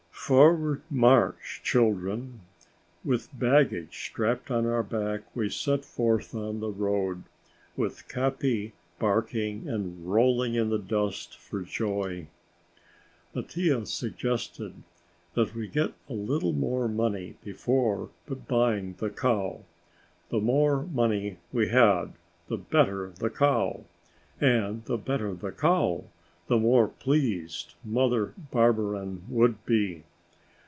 "Forward! March! Children!" With baggage strapped on our back we set forth on the road, with Capi barking and rolling in the dust for joy. Mattia suggested that we get a little more money before buying the cow; the more money we had, the better the cow, and the better the cow, the more pleased Mother Barberin would be.